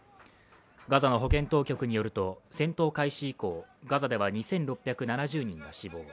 ガザの保健当局によると戦闘開始以降、ガザでは２６７０人が死亡。